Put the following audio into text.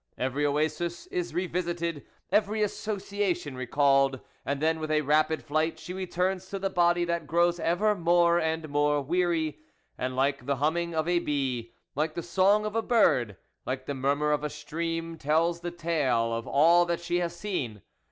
Every oasis is re visited, every association recalled, and then with a rapid flight she returns to the body that grows ever more and more weary, and like the humming of a bee, like the song of a bird, like the murmur of a stream, tells the tale of all that she has seen.